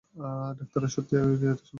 ডাক্তাররা সত্যিই কি এতো সুদর্শন হয়?